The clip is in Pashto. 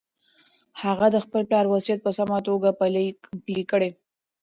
هغه د خپل پلار وصیت په سمه توګه پلي کړ.